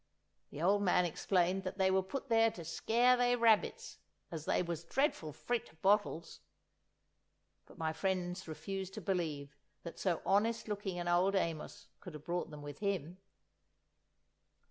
The old man explained that they were put there to skeer they rabbits, as they was dreadful frit of bottles! But my friends refused to believe that so honest looking an old Amos could have brought them with him!